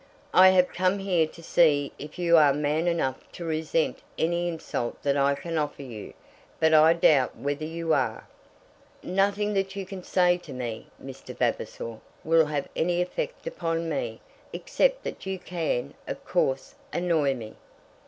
"I have come here to see if you are man enough to resent any insult that I can offer you; but I doubt whether you are." "Nothing that you can say to me, Mr. Vavasor, will have any effect upon me; except that you can, of course, annoy me."